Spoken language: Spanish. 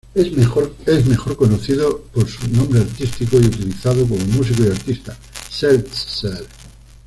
Es mejor conocido por su nombre artístico y utilizado como músico y artista, Seltzer.